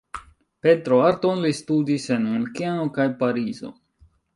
Pentroarton li studis en Munkeno kaj Parizo.